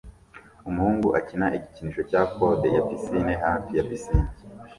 Umuhungu akina igikinisho cya kode ya pisine hafi ya pisine